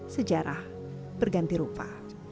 sejarah berganti rupa